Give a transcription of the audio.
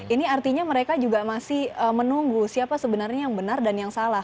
ini artinya mereka juga masih menunggu siapa sebenarnya yang benar dan yang salah